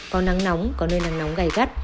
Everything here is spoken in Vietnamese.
có nắng nóng có nơi nắng nóng gầy gắt